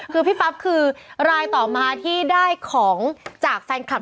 คือพี่ปั๊บคือรายต่อมาที่ได้ของจากแฟนคลับ